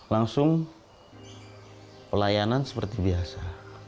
langsung pelayanan seperti biasa